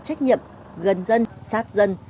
trách nhiệm gần dân sát dân